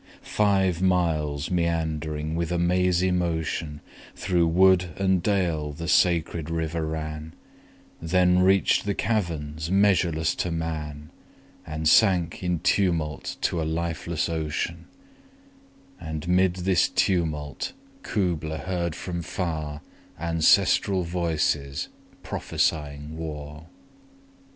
Five miles meandering with a mazy motion 25 Through wood and dale the sacred river ran, Then reach'd the caverns measureless to man, And sank in tumult to a lifeless ocean: And 'mid this tumult Kubla heard from far Ancestral voices prophesying war!